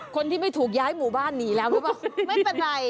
คนที่ไม่ถูกย้ายหมู่บ้านนี่แล้วไม่เป็นไร